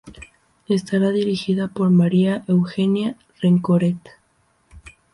Estará dirigida por María Eugenia Rencoret.